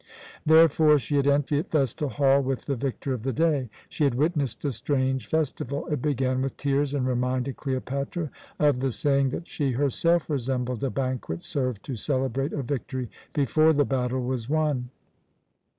Therefore she had entered the festal hall with the victor of the day. She had witnessed a strange festival. It began with tears and reminded Cleopatra of the saying that she herself resembled a banquet served to celebrate a victory before the battle was won.